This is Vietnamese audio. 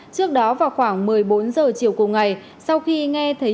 trước đó vào khoảng một mươi bốn h chiều cùng ngày sau khi nghe thấy